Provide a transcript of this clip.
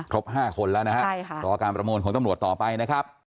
๕คนแล้วนะฮะรอการประมูลของตำรวจต่อไปนะครับ